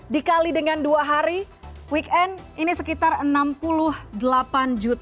dikali dengan dua hari weekend ini sekitar rp enam puluh delapan juta